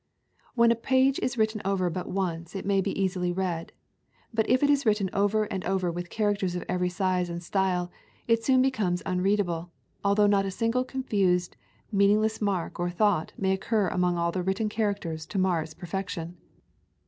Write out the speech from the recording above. When a page is written over but once it may be easily read; but if it be written over and over with characters of every size and style, it soon becomes unreadable, although not a single confused meaningless mark or thought may oc cur among all the written characters to mar its perfection.